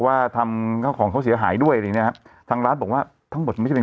ว่าทำของเขาเสียหายด้วยณทั้งร้านบอกว่าทั้งบทไม่เป็น